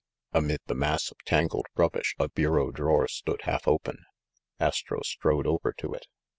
Amid the mass of tangled rub bish a bureau drawer stood half open. Astro strode over to it.